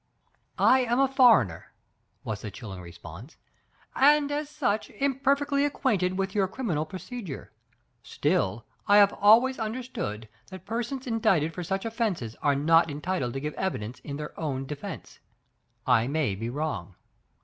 ''lam a foreigner," was the chilling response, "and, as such, imperfectly acquainted with your criminal procedure. Still, I have always under stood that persons indicted for such offenses are not entitled to give evidence in their own de fense. I may be wrong."